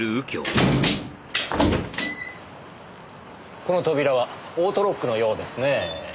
この扉はオートロックのようですねえ。